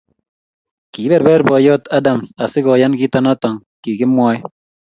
Kiberber boiyot Adams asigoyan kito noto kigimwae